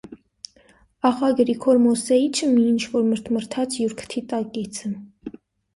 Աղա Գրիգոր Մոսեիչը մի ինչ-որ մրթմրթաց յուր քթի տակիցը: